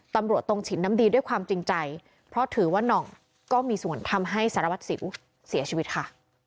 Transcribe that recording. ตำรวจตรงฉินน้ำดีด้วยความจริงใจเพราะถือว่าน่องก็มีส่วนทำให้สารวัตรสิวเสียชีวิตค่ะ